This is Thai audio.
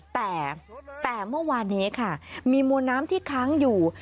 แต่เมื่อวานนี้ค่ะมีมวลน้ำที่ค้างอยู่